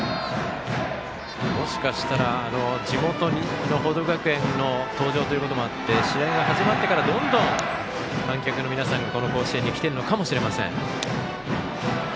もしかしたら地元・報徳学園の登場ということもあって試合が始まってからどんどん観客の皆さんがこの甲子園に来ているのかもしれません。